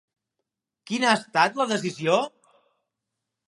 Quina ha estat la decisió?